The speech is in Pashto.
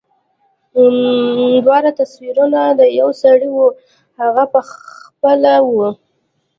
دواړه تصويرونه د يوه سړي وو هغه پخپله و.